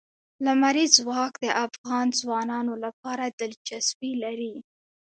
لمریز ځواک د افغان ځوانانو لپاره دلچسپي لري.